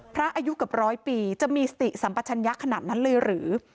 อายุเกือบร้อยปีจะมีสติสัมปัชญะขนาดนั้นเลยหรือ